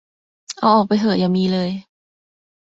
เอาออกไปเหอะอย่ามีเลย